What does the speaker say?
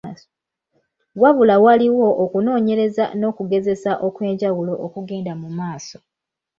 Wabula waliwo okunoonyereza n’okugezesa okw’enjawulo okugenda mu maaso.